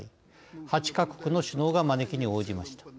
８か国の首脳が招きに応じました。